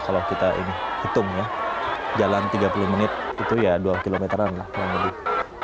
kalau kita hitung ya jalan tiga puluh menit itu ya dua km an lah kurang lebih